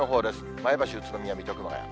前橋、宇都宮、水戸、熊谷。